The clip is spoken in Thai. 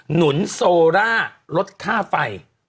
หนุนโซร่าลดค่าไฟ